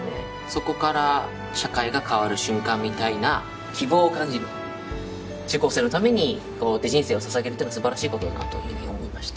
そこから社会が変わる瞬間みたいな希望を感じる中高生のために人生を捧げるのはすばらしいことだと思いました